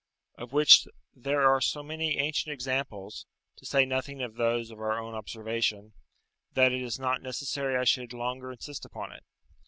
Of which there are so many ancient examples (to say nothing of those of our own observation), that it is not necessary I should longer insist upon it.